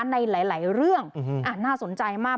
ในหลายเรื่องน่าสนใจมาก